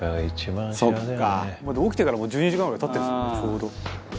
「起きてからもう１２時間ぐらい経ってるんですもんねちょうど」